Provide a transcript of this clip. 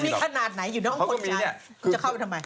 มันมีขนาดไหนอยู่ในห้องคนจัง